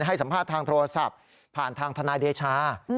ให้สัมภาษณ์ทางโทรศัพท์ผ่านทางทนายเดชา